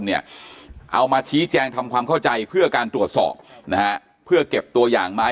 เนี่ยเอามาชี้แจงทำความเข้าใจเพื่อการตรวจสอบนะฮะเพื่อเก็บตัวอย่างไม้